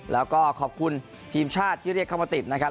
แล้วก็ขอบคุณทีมชาติที่เรียกเข้ามาติดนะครับ